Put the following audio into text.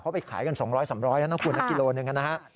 เขาไปขายกัน๒๐๐๓๐๐บาทนะครับคุณในกิโลหนึ่งนะฮะ